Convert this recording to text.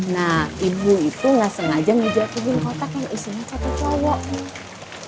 nah ibu itu gak sengaja menjatuhin kotak yang isinya catur cowok